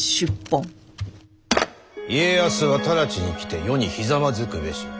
家康は直ちに来て余にひざまずくべし。